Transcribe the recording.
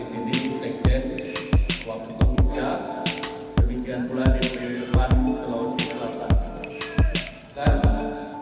di sini sekjen waktu muka sebegian pula di depan selalu setelah tanggal